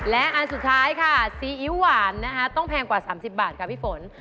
และอันสุดท้ายค่ะซีอิ๊วหวานนะคะต้องแพงกว่า๓๐บาทค่ะพี่ฝน